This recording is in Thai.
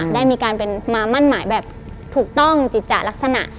ได้มีการเป็นมามั่นหมายแบบถูกต้องจิตจะลักษณะ